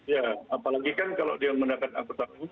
ya apalagi kan kalau dia menggunakan angkutan umum